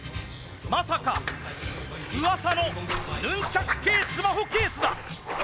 まさかうわさのヌンチャク系スマホケースだ！